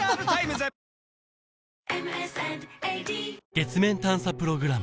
月面探査プログラム